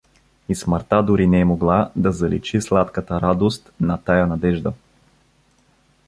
И смъртта дори не е могла да заличи сладката радост на тая надежда.